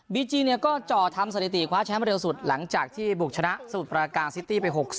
จีเนี่ยก็จ่อทำสถิติคว้าแชมป์เร็วสุดหลังจากที่บุกชนะสมุทรปราการซิตี้ไป๖๐